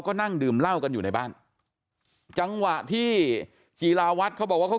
ก็นั่งดื่มเหล้ากันอยู่ในบ้านจังหวะที่จีลาวัดเขาบอกว่าเขา